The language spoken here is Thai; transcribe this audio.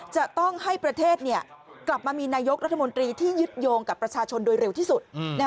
จะต้องให้ประเทศกลับมามีนายกรัฐมนตรีที่ยึดโยงกับประชาชนโดยเร็วที่สุด